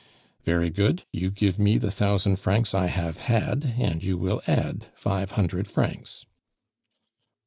"Very good, you give me the thousand francs I have had and you will add five hundred francs."